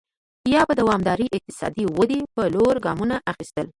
یا به د دوامدارې اقتصادي ودې په لور ګامونه اخیستل.